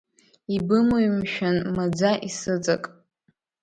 Ибымои мшәан, маӡа исыҵак?